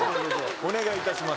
お願いいたします。